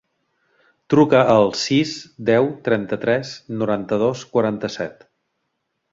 Truca al sis, deu, trenta-tres, noranta-dos, quaranta-set.